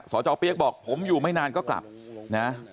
สจเปี๊ยกบอกผมอยู่ไม่นานก็กลับนะ